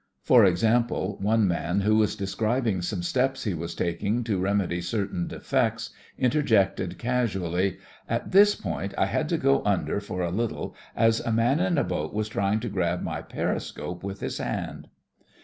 For example, one man who was describing some THE FRINGES OF THE FLEET 49 steps he was taking to remedy cer tain defects, interjected casually: "At this point I had to go under for a little, as a man in a boat was trying to grab my periscope with his hand."